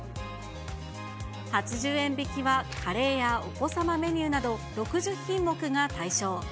８０円引きはカレーやお子様メニューなど６０品目が対象。